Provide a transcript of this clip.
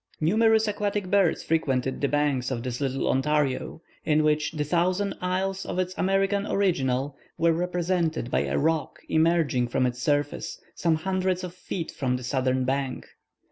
Numerous aquatic birds frequented the banks of this little Ontario, in which the "Thousand Isles" of its American original were represented by a rock emerging from its surface some hundreds of feet from the southern bank.